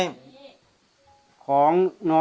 ข้าพเจ้านางสาวสุภัณฑ์หลาโภ